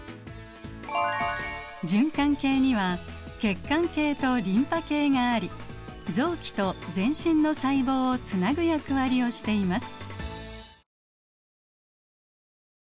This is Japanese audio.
循環系には血管系とリンパ系があり臓器と全身の細胞をつなぐ役割をしています。